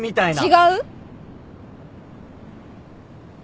違う？